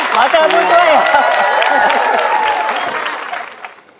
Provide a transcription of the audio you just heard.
ขอเติมผู้ช่วย